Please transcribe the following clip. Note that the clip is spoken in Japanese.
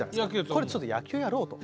これはちょっと野球をやろうと。